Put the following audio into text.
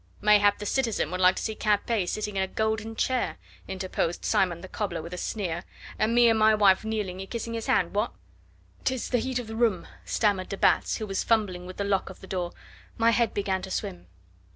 "Mayhap the citizen would like to see Capet sitting in a golden chair," interposed Simon the cobbler with a sneer, "and me and my wife kneeling and kissing his hand what?" "'Tis the heat of the room," stammered de Batz, who was fumbling with the lock of the door; "my head began to swim."